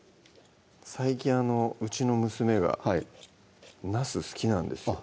最近うちの娘がなす好きなんですよ